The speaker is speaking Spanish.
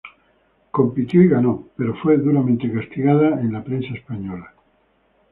Compitió y ganó, pero fue duramente castigada en la prensa española.